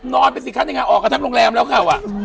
นอนเป็นสิทธิ์ทั้งงานออกกับทั้งโรงแรมแล้วเขาอ่ะ